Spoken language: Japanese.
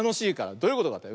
どういうことかって？